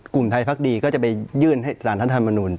กลุ่มไทยพักดีก็จะไปยื่นให้สารท่านธรรมนุน